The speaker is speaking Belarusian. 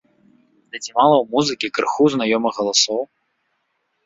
Ды ці мала ў музыкі крыху знаёмых галасоў?!